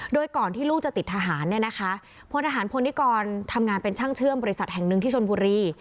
โดยก่อนที่ลูกจะติดทหารเนี่ยนะคะพลทหารพลนิกรทำงานเป็นช่างเชื่อมบริษัทแห่งหนึ่งที่ชนบุรี